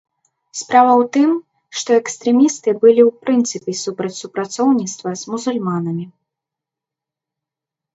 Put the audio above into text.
Справа ў тым, што экстрэмісты былі ў прынцыпе супраць супрацоўніцтва з мусульманамі.